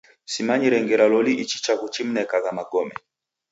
Simanyire ngera loli ichi chaghu chimnekagha magome.